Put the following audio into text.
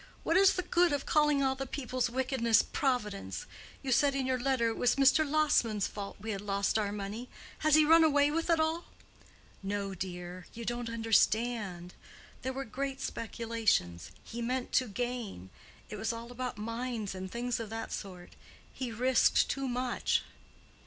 What is the good of calling the people's wickedness Providence? You said in your letter it was Mr. Lassman's fault we had lost our money. Has he run away with it all?" "No, dear, you don't understand. There were great speculations: he meant to gain. It was all about mines and things of that sort. He risked too much."